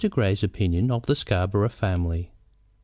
GREY'S OPINION OF THE SCARBOROUGH FAMILY.